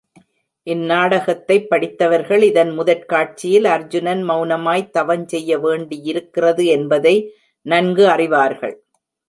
இந் நாடகத்தைப் படித்தவர்கள், இதன் முதற் காட்சியில் அர்ஜுனன் மௌனமாய்த் தவஞ் செய்ய வேண்டியிருக்கிறது என்பதை நன்கு அறிவார்கள்.